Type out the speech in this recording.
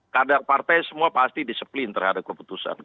kadar partai semua pasti disiplin terhadap keputusan